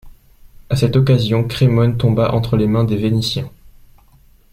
À cette occasion Crémone tomba entre les mains des vénitiens.